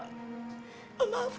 dina gak tau